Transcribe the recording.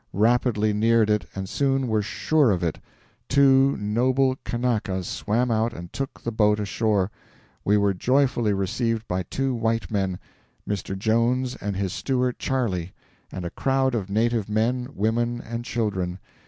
rapidly neared it and soon were SURE of it.... Two noble Kanakas swam out and took the boat ashore. We were joyfully received by two white men Mr. Jones and his steward Charley and a crowd of native men, women, and children.